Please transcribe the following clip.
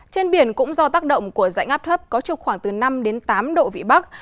trên biển cũng do tác động của dạnh áp thấp có trục khoảng từ năm đến tám độ vị bắc